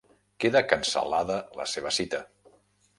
Queda cancel·lada la seva cita.